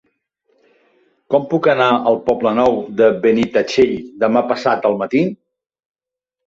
Com puc anar al Poble Nou de Benitatxell demà passat al matí?